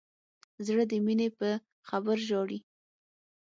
زړه د مینې په خبر ژاړي.